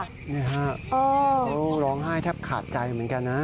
นี่ฮะเขาร้องไห้แทบขาดใจเหมือนกันนะ